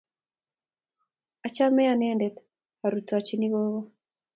Achame anendet arutochini gogo